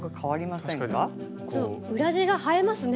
裏地が映えますね！